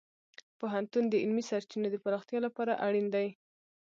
پوهنتون د علمي سرچینو د پراختیا لپاره اړین دی.